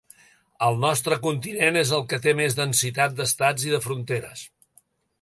El nostre continent és el que té més densitat d’estats i de fronteres.